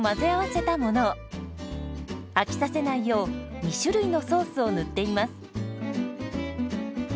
飽きさせないよう２種類のソースを塗っています。